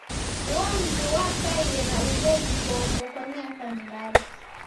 Uo mndu wakaie na ugho w'ukongo kwa miaka milazi.